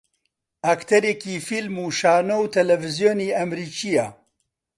ئەکتەرێکی فیلم و شانۆ و تەلەڤیزیۆنی ئەمریکییە